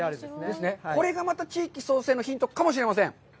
これがまた地域創生のヒントかもしれません。